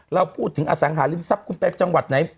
แล้วพูดถึงอสังหาริงทรัพย์จังหวัดไหน